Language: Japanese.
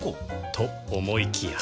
と思いきや